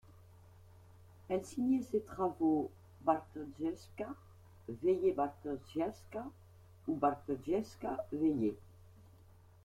Elle signait ses travaux Bartoszewska, Veillet-Bartoszewska ou Bartoszewska-Veillet.